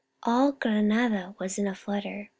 All Granada was in a flutter